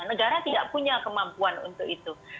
negara tidak punya kemampuan untuk itu